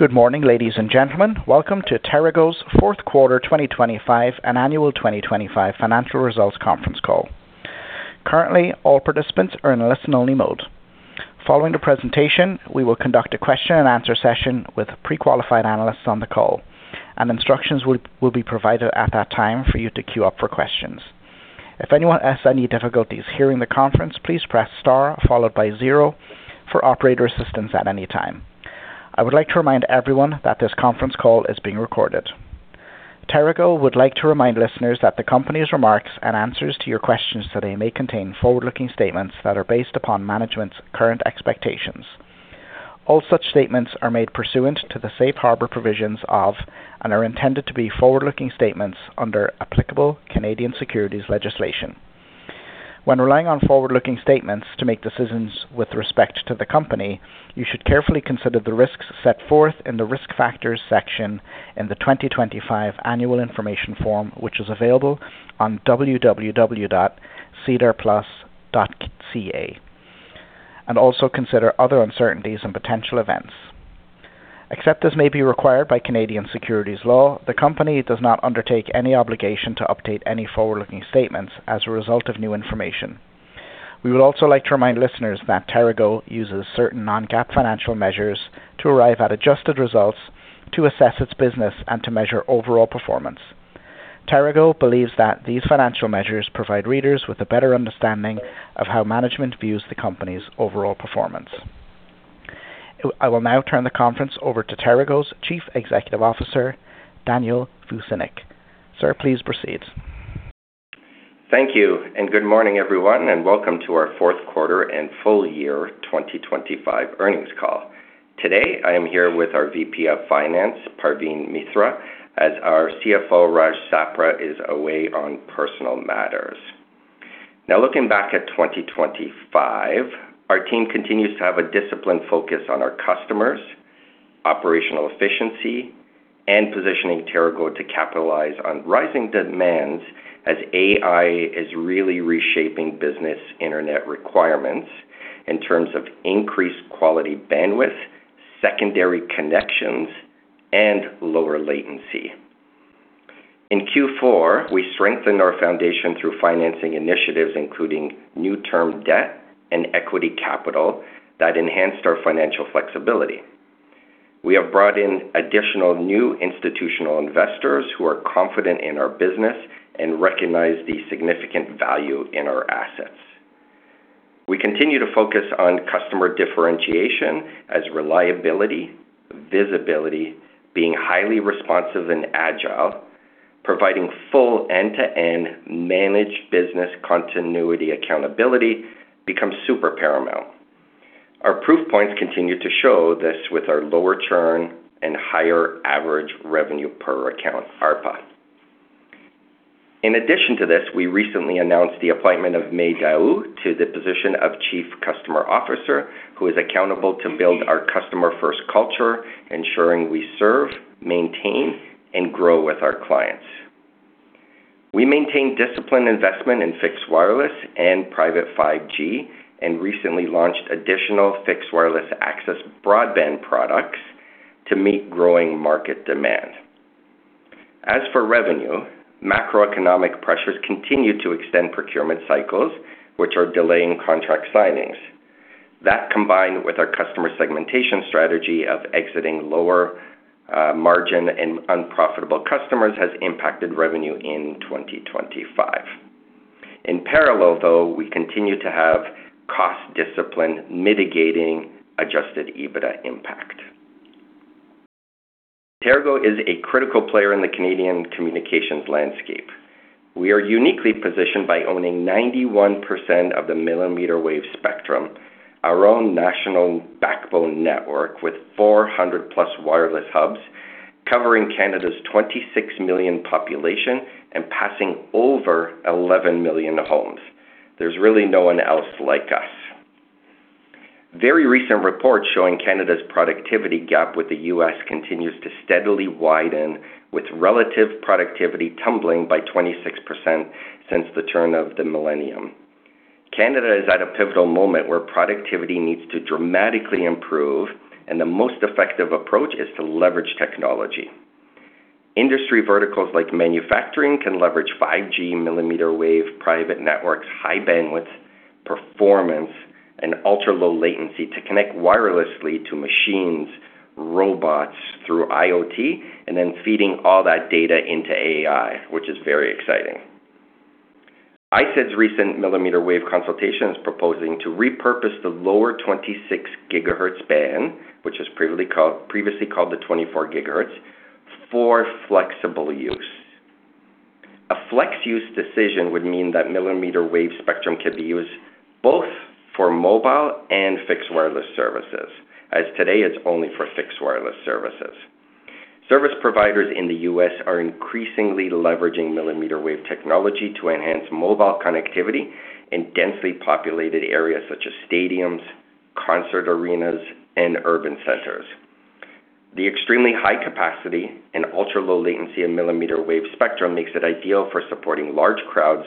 Good morning, ladies and gentlemen. Welcome to TERAGO's Fourth Quarter 2025 and Annual 2025 Financial Results Conference Call. Currently, all participants are in a listen-only mode. Following the presentation, we will conduct a question-and-answer session with pre-qualified analysts on the call, and instructions will be provided at that time for you to queue up for questions. If anyone has any difficulties hearing the conference, please press star followed by zero for operator assistance at any time. I would like to remind everyone that this conference call is being recorded. TERAGO would like to remind listeners that the company's remarks and answers to your questions today may contain forward-looking statements that are based upon management's current expectations. All such statements are made pursuant to the safe harbor provisions of and are intended to be forward-looking statements under applicable Canadian securities legislation. When relying on forward-looking statements to make decisions with respect to the company, you should carefully consider the risks set forth in the Risk Factors section in the 2025 Annual Information Form, which is available on www.sedarplus.ca, and also consider other uncertainties and potential events. Except as may be required by Canadian securities law, the company does not undertake any obligation to update any forward-looking statements as a result of new information. We would also like to remind listeners that TERAGO uses certain non-GAAP financial measures to arrive at adjusted results to assess its business and to measure overall performance. TERAGO believes that these financial measures provide readers with a better understanding of how management views the company's overall performance. I will now turn the conference over to TERAGO's Chief Executive Officer, Daniel Vucinic. Sir, please proceed. Thank you, and good morning, everyone, and welcome to our fourth quarter and full-year 2025 earnings call. Today, I am here with our VP of Finance, Parveen Mitra, as our CFO, Raj Sapra, is away on personal matters. Now looking back at 2025, our team continues to have a disciplined focus on our customers, operational efficiency, and positioning TERAGO to capitalize on rising demands as AI is really reshaping business internet requirements in terms of increased quality bandwidth, secondary connections, and lower latency. In Q4, we strengthened our foundation through financing initiatives, including new term debt and equity capital that enhanced our financial flexibility. We have brought in additional new institutional investors who are confident in our business and recognize the significant value in our assets. We continue to focus on customer differentiation as reliability, visibility, being highly responsive and agile, providing full end-to-end managed business continuity accountability becomes super paramount. Our proof points continue to show this with our lower churn and higher average revenue per account, ARPA. In addition to this, we recently announced the appointment of May Daou to the position of Chief Customer Officer, who is accountable to build our customer-first culture, ensuring we serve, maintain, and grow with our clients. We maintain disciplined investment in fixed wireless and private 5G and recently launched additional fixed wireless access broadband products to meet growing market demand. As for revenue, macroeconomic pressures continue to extend procurement cycles, which are delaying contract signings. That, combined with our customer segmentation strategy of exiting lower margin and unprofitable customers, has impacted revenue in 2025. In parallel, though, we continue to have cost discipline mitigating Adjusted EBITDA impact. TERAGO is a critical player in the Canadian communications landscape. We are uniquely positioned by owning 91% of the millimeter wave spectrum, our own national backbone network with 400+ wireless hubs covering Canada's 26 million population and passing over 11 million homes. There's really no one else like us. Very recent reports showing Canada's productivity gap with the U.S. continues to steadily widen, with relative productivity tumbling by 26% since the turn of the millennium. Canada is at a pivotal moment where productivity needs to dramatically improve, and the most effective approach is to leverage technology. Industry verticals like manufacturing can leverage 5G millimeter wave private networks' high bandwidth performance and ultra-low latency to connect wirelessly to machines, robots through IoT, and then feeding all that data into AI, which is very exciting. ISED's recent millimeter wave consultation is proposing to repurpose the lower 26 GHz band, which is previously called the 24 GHz, for flexible use. A flex use decision would mean that millimeter wave spectrum could be used both for mobile and fixed wireless services, as today it's only for fixed wireless services. Service providers in the U.S. are increasingly leveraging millimeter wave technology to enhance mobile connectivity in densely populated areas such as stadiums, concert arenas, and urban centers. The extremely high capacity and ultra-low latency of millimeter wave spectrum makes it ideal for supporting large crowds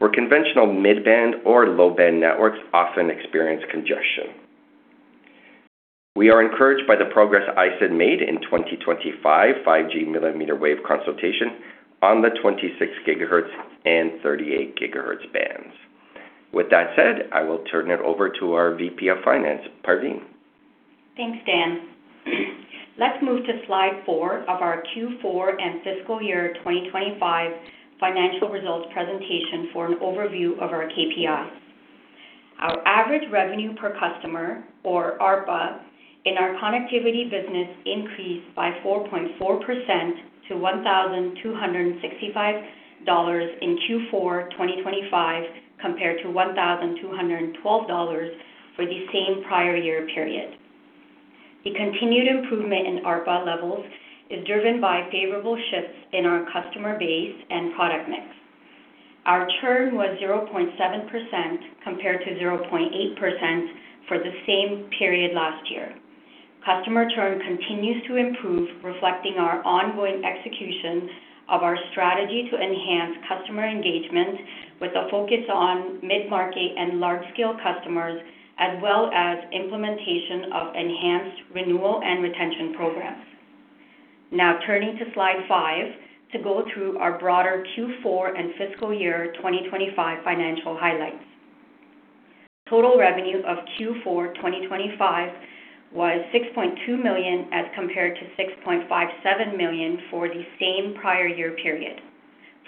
where conventional mid-band or low-band networks often experience congestion. We are encouraged by the progress ISED made in 2025 5G millimeter wave consultation on the 26 GHz and 38 GHz bands. With that said, I will turn it over to our VP of Finance, Parveen. Thanks, Dan. Let's move to slide 4 of our Q4 and fiscal year 2025 financial results presentation for an overview of our KPI. Our average revenue per customer or ARPA in our connectivity business increased by 4.4% to 1,265 dollars in Q4 2025, compared to 1,212 dollars for the same prior-year period. The continued improvement in ARPA levels is driven by favorable shifts in our customer base and product mix. Our churn was 0.7% compared to 0.8% for the same period last year. Customer churn continues to improve, reflecting our ongoing execution of our strategy to enhance customer engagement with a focus on mid-market and large-scale customers, as well as implementation of enhanced renewal and retention programs. Now turning to slide 5 to go through our broader Q4 and fiscal year 2025 financial highlights. Total revenue of Q4 2025 was 6.2 million, as compared to 6.57 million for the same prior-year period.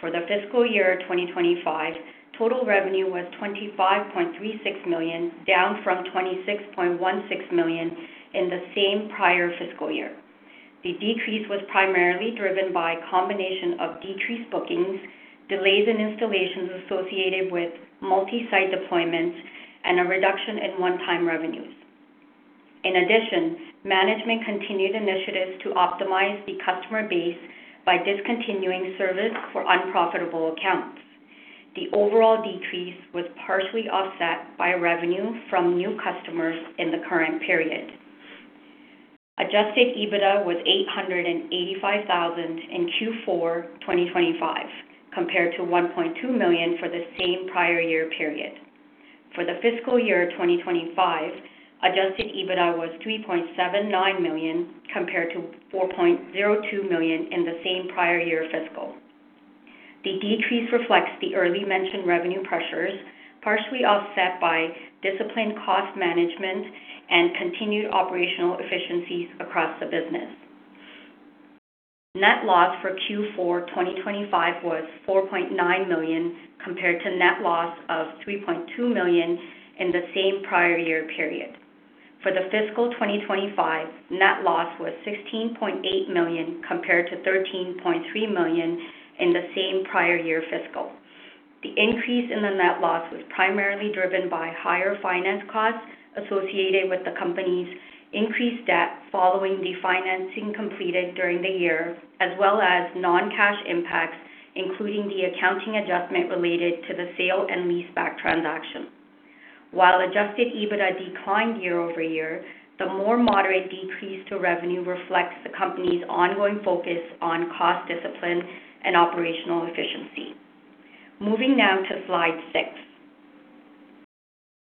For the fiscal year 2025, total revenue was 25.36 million, down from 26.16 million in the same prior fiscal year. The decrease was primarily driven by a combination of decreased bookings, delays in installations associated with multi-site deployments, and a reduction in one-time revenues. In addition, management continued initiatives to optimize the customer base by discontinuing service for unprofitable accounts. The overall decrease was partially offset by revenue from new customers in the current period. Adjusted EBITDA was 885,000 in Q4 2025, compared to 1.2 million for the same prior-year period. For the fiscal year 2025, Adjusted EBITDA was 3.79 million, compared to 4.02 million in the same prior-year fiscal. The decrease reflects the earlier mentioned revenue pressures, partially offset by disciplined cost management and continued operational efficiencies across the business. Net loss for Q4 2025 was 4.9 million, compared to net loss of 3.2 million in the same prior-year period. For the fiscal 2025, net loss was CAD 16.8 million, compared to CAD 13.3 million in the same prior-year fiscal. The increase in the net loss was primarily driven by higher finance costs associated with the company's increased debt following the financing completed during the year, as well as non-cash impacts, including the accounting adjustment related to the sale and leaseback transaction. While Adjusted EBITDA declined year-over-year, the more moderate decrease to revenue reflects the company's ongoing focus on cost discipline and operational efficiency. Moving now to slide 6.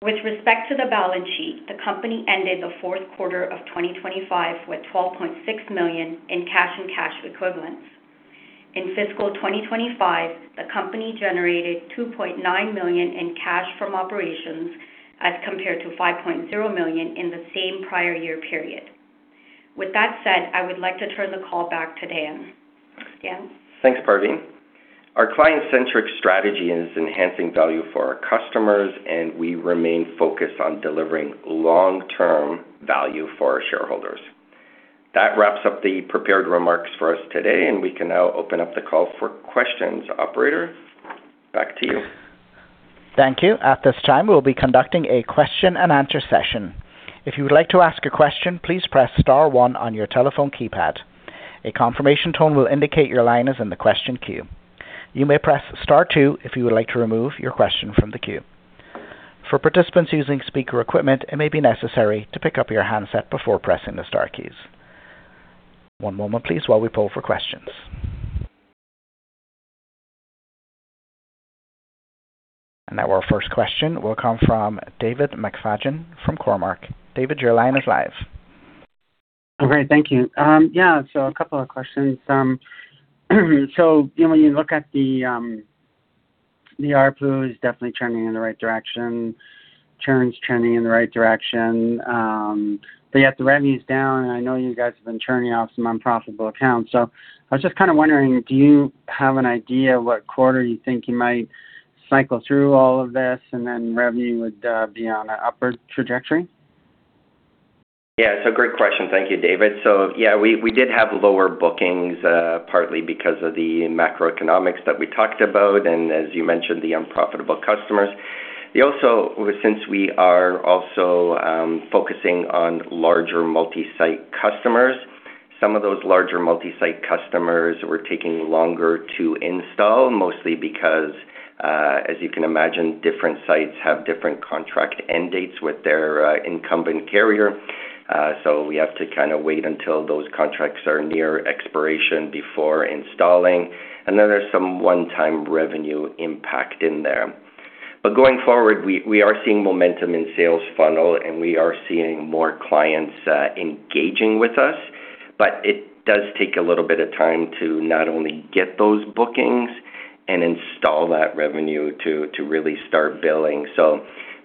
With respect to the balance sheet, the company ended the fourth quarter of 2025 with 12.6 million in cash and cash equivalents. In fiscal 2025, the company generated 2.9 million in cash from operations as compared to 5.0 million in the same prior year period. With that said, I would like to turn the call back to Dan. Dan. Thanks, Parveen. Our client-centric strategy is enhancing value for our customers, and we remain focused on delivering long-term value for our shareholders. That wraps up the prepared remarks for us today, and we can now open up the call for questions. Operator, back to you. Thank you. At this time, we will be conducting a question-and-answer session. If you would like to ask a question, please press star one on your telephone keypad. A confirmation tone will indicate your line is in the question queue. You may press star two if you would like to remove your question from the queue. For participants using speaker equipment, it may be necessary to pick up your handset before pressing the star keys. One moment please while we poll for questions. Now our first question will come from David McFadgen from Cormark. David, your line is live. Great. Thank you. A couple of questions. When you look at the ARPU is definitely trending in the right direction. Churn's trending in the right direction. Yet the revenue is down, and I know you guys have been churning out some unprofitable accounts. I was just kind of wondering, do you have an idea what quarter you think you might cycle through all of this and then revenue would be on an upward trajectory? Yeah, it's a great question. Thank you, David. So yeah, we did have lower bookings, partly because of the macroeconomics that we talked about, and as you mentioned, the unprofitable customers. We are also focusing on larger multi-site customers, some of those larger multi-site customers were taking longer to install, mostly because, as you can imagine, different sites have different contract end dates with their incumbent carrier. So we have to kinda wait until those contracts are near expiration before installing. And then there's some one-time revenue impact in there. Going forward, we are seeing momentum in sales funnel and we are seeing more clients engaging with us. It does take a little bit of time to not only get those bookings and install that revenue to really start billing.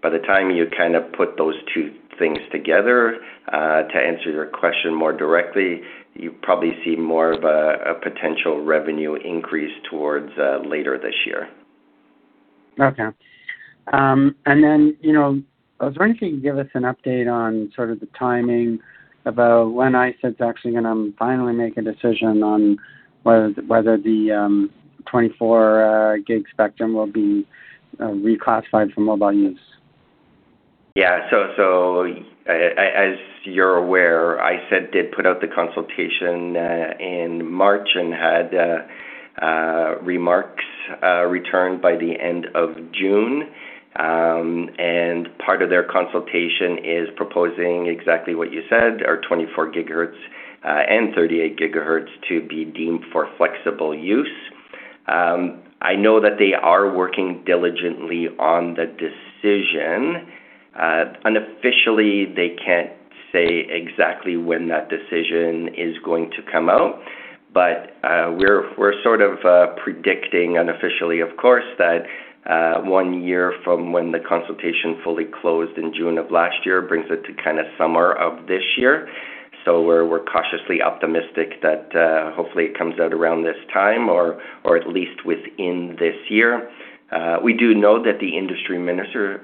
By the time you kind of put those two things together, to answer your question more directly, you probably see more of a potential revenue increase towards later this year. Okay. You know, I was wondering if you could give us an update on sort of the timing about when I said it's actually gonna finally make a decision on whether the 24 GHz spectrum will be reclassified for mobile use. Yeah. As you're aware, ISED did put out the consultation in March and had responses returned by the end of June. Part of their consultation is proposing exactly what you said are 24 GHz and 38 GHz to be deemed for flexible use. I know that they are working diligently on the decision. Unofficially, they can't say exactly when that decision is going to come out. We're sort of predicting unofficially, of course, that one year from when the consultation fully closed in June of last year brings it to kind of summer of this year. We're cautiously optimistic that hopefully it comes out around this time or at least within this year. We do know that the industry minister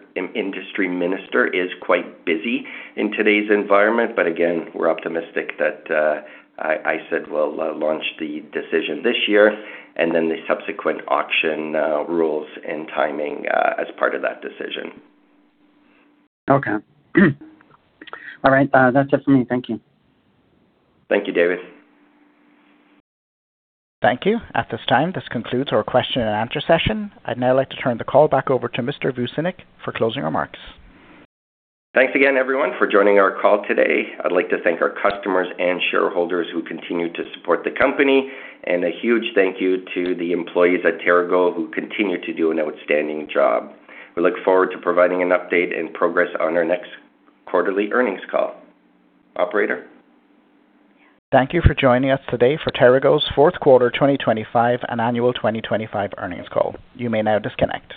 is quite busy in today's environment, but again, we're optimistic that I said we'll launch the decision this year and then the subsequent auction rules and timing as part of that decision. Okay. All right, that's just me. Thank you. Thank you, David. Thank you. At this time, this concludes our question-and-answer session. I'd now like to turn the call back over to Mr. Vucinic for closing remarks. Thanks again everyone for joining our call today. I'd like to thank our customers and shareholders who continue to support the company, and a huge thank you to the employees at TERAGO who continue to do an outstanding job. We look forward to providing an update and progress on our next quarterly earnings call. Operator. Thank you for joining us today for TERAGO's fourth quarter 2025 and annual 2025 earnings call. You may now disconnect.